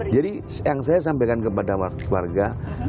yang saya sampaikan kepada warga